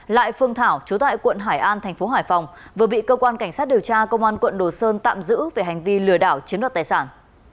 lại phương thảo chú tại quận hải an thành phố hải phòng vừa bị cơ quan cảnh sát điều tra công an quận đồ sơn tạm giữ về hành vi lừa đảo chiếm đoạt tài sản